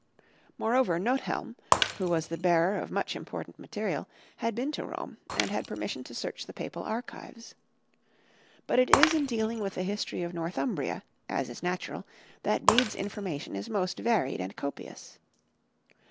Moreover, Nothelm, who was the bearer of much important material, had been to Rome and had permission to search the papal archives. But it is in dealing with the history of Northumbria, as is natural, that Bede's information is most varied and copious.